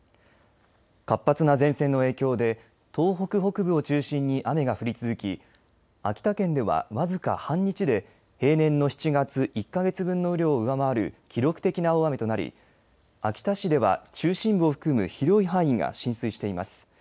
活発な前線の影響で東北北部を中心に雨が降り続き秋田県では僅か半日で平年の７月１か月分の雨量を上回る記録的な大雨となり秋田市では中心部を含む広い範囲が浸水しています。